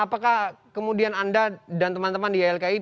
apakah kemudian anda dan teman teman di ylki